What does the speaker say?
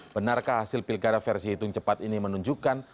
benarkah hasil pilkada versi hitung cepat ini menunjukkan